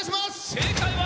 正解は。